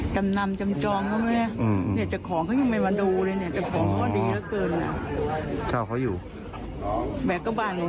จำนำจำจองเขาไหมเนี่ยเจ้าของเขายังไม่มาดูเลยเนี่ยเจ้าของเขาก็ดีเหลือเกิน